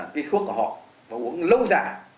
vi khuất của họ và uống lâu dài